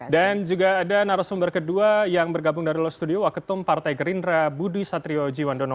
dan juga ada narasumber kedua yang bergabung dari loh studio waketum partai gerindra budi satrioji wandono